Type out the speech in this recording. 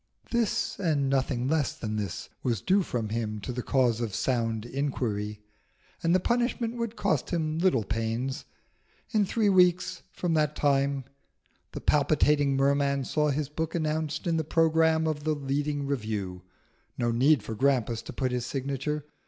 This, and nothing less than this, was due from him to the cause of sound inquiry; and the punishment would cost him little pains. In three weeks from that time the palpitating Merman saw his book announced in the programme of the leading Review. No need for Grampus to put his signature.